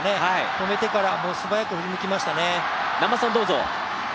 止めてから、素早く振り向きましたね。